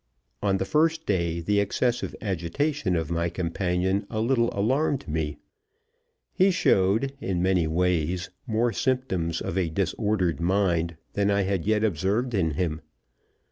On the first day the excessive agitation of my companion a little alarmed me; he showed, in many ways, more symptoms of a disordered mind than I had yet observed in him.